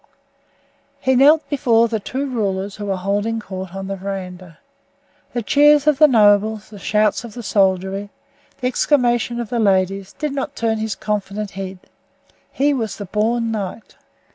He knelt before the two rulers who were holding court on the veranda. The cheers of nobles, the shouts of soldiery, the exclamations of the ladies did not turn his confident head. He was the born knight.